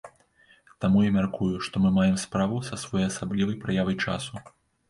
Таму я мяркую, што мы маем справу са своеасаблівай праявай часу.